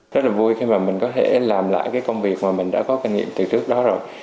rất vui khi có thể làm lại công việc mình đã có kinh nghiệm từ trước đó rồi